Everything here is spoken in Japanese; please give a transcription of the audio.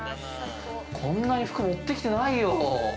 こんなに服持ってきてないよ。